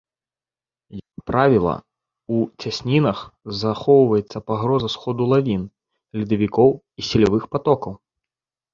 Як правіла, у цяснінах захоўваецца пагроза сходу лавін, ледавікоў і селевых патокаў.